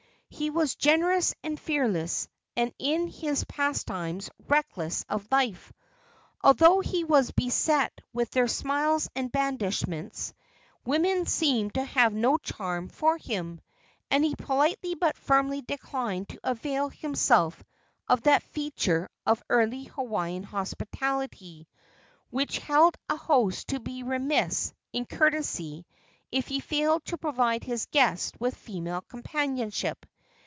He was generous and fearless, and in his pastimes reckless of his life. Although he was beset with their smiles and blandishments, women seemed to have no charm for him, and he politely but firmly declined to avail himself of that feature of early Hawaiian hospitality which held a host to be remiss in courtesy if he failed to provide his guest with female companionship.